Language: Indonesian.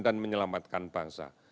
dan menyelamatkan bangsa